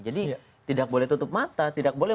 jadi tidak boleh tutup mata tidak boleh